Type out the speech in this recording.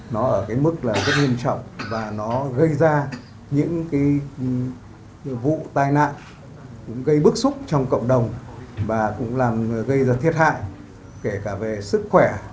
nó ở mức rất nghiêm trọng và nó gây ra những vụ tai nạn gây bức xúc trong cộng đồng và cũng gây ra thiết hại kể cả về sức khỏe